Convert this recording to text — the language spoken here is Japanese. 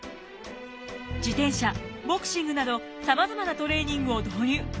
自転車ボクシングなどさまざまなトレーニングを導入。